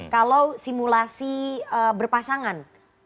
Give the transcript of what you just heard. kalau simulasi berpasangan